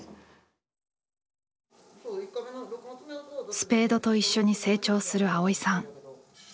スペードと一緒に成長する蒼依さん。